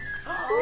お！